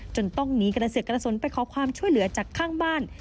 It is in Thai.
ต้องหนีกระเสือกกระสนไปขอความช่วยเหลือจากข้างบ้าน